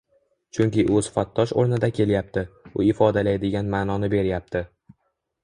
Chunki u sifatdosh oʻrnida kelyapti, u ifodalaydigan maʼnoni beryapti